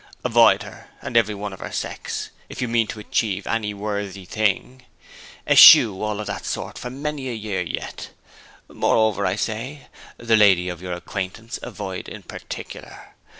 Avoid her, and every one of the sex, if you mean to achieve any worthy thing. Eschew all of that sort for many a year yet. Moreover, I say, the lady of your acquaintance avoid in particular.